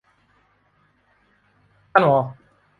ท่านวอ